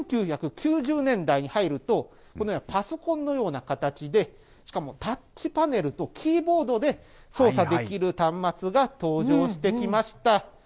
１９９０年代に入ると、このようなパソコンのような形で、しかもタッチパネルとキーボードで、操作できる端末が登場してきました。